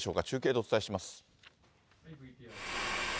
中継でお伝えします。